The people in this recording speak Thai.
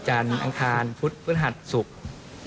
อังคารฟุตฟื้นหัสสุขสาว